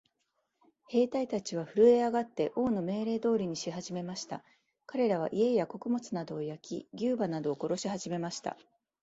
兵隊たちはふるえ上って、王の命令通りにしはじめました。かれらは、家や穀物などを焼き、牛馬などを殺しはじめました。